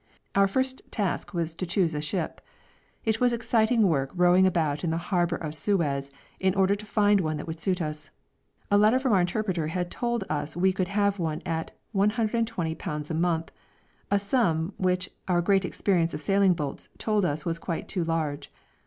Our first task was to choose a ship; it was exciting work rowing about in the harbour of Suez in order to find one that would suit us. A letter from our interpreter had told us we could have one at 120_l._ a month, a sum which our great experience of sailing boats told us was quite too large.